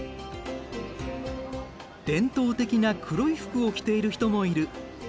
伝統的な黒い服を着ている人もいる。